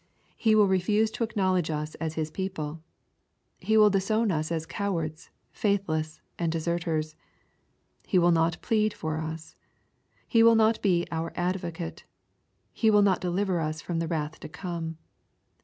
He will refuse to acknowledge us as His people. He will disown us as cowards, faithless, and deserters. He will not plead for us. He will not be our Advocate. He will not deliver us from the wrath to come.